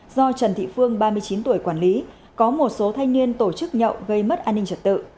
do trần thị phương ba mươi chín tuổi quản lý có một số thanh niên tổ chức nhậu gây mất an ninh trật tự